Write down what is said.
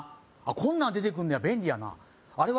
こんなん出てくんねや便利やなあれは？